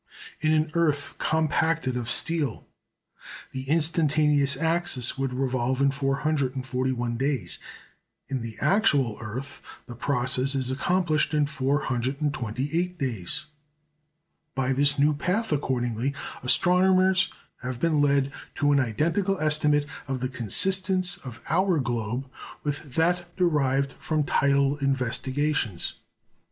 In an earth compacted of steel, the instantaneous axis would revolve in 441 days; in the actual earth, the process is accomplished in 428 days. By this new path, accordingly, astronomers have been led to an identical estimate of the consistence of our globe with that derived from tidal investigations.